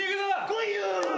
来いよ！